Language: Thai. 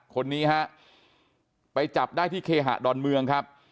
คนนี้ฮะไปจับได้ที่เคหะดอนเมืองครับ